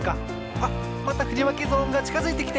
あっまたふりわけゾーンがちかづいてきています。